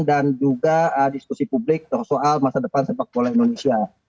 dan juga diskusi publik soal masa depan sepak bola indonesia